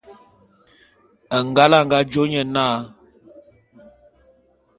Ngal a nga jô nye na.